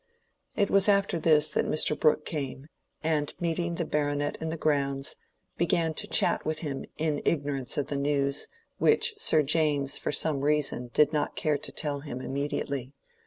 It was after this that Mr. Brooke came, and meeting the Baronet in the grounds, began to chat with him in ignorance of the news, which Sir James for some reason did not care to tell him immediately.